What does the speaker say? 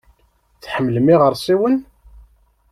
Tḥemmlem iɣersiwen?